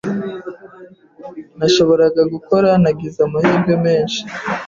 nashoboraga gukoraNagize amahirwe menshi